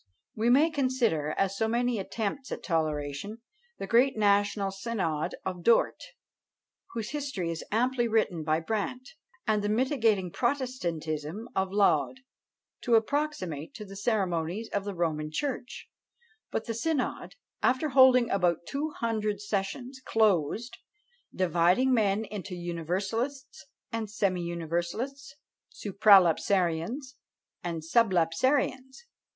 We may consider, as so many attempts at toleration, the great national synod of Dort, whose history is amply written by Brandt; and the mitigating protestantism of Laud, to approximate to the ceremonies of the Roman church; but the synod, after holding about two hundred sessions, closed, dividing men into universalists and semi universalists, supralapsarians and sublapsarians!